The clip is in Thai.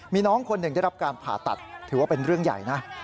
มีน้องคนหนึ่งได้รับการผ่าตัดถือว่าเป็นเรื่องใหญ่นะ